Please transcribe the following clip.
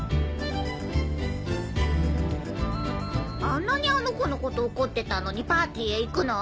あんなにあの子のこと怒ってたのにパーティーへ行くの？